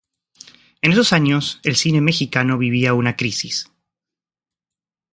En esos años el cine mexicano vivía una crisis.